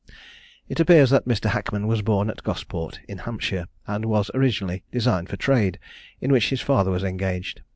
It appears that Mr. Hackman was born at Gosport in Hampshire, and was originally designed for trade, in which his father was engaged.